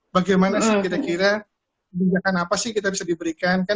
bagaimana sih kira kira kebijakan apa sih kita bisa diberikan